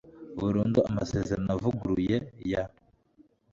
burundu amasezerano avuguruye ya